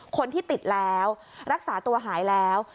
คนที่ติดแล้วรักษาตัวหายแล้ว